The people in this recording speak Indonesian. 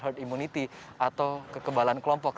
herd immunity atau kekebalan kelompok